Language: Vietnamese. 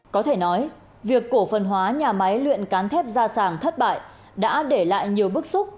có thể nói việc cổ phần hóa nhà máy luyện cán thép ra sảng thất bại đã để lại nhiều bức xúc